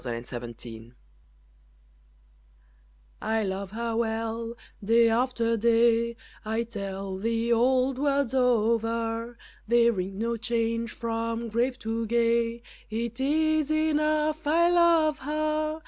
] I Love Her Well I love her well, day after day I tell the old words over, They ring no change from grave to gay, It is enough, I love her!